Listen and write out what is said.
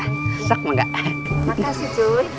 terima kasih cuy